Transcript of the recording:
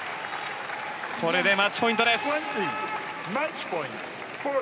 これでマッチポイントです。